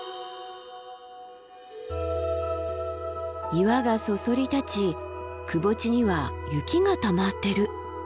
岩がそそり立ちくぼ地には雪がたまってる。